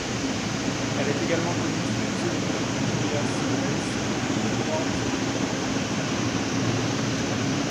Elle est également connue sous les pseudonymes Tobias Wells et Forbes Rydell.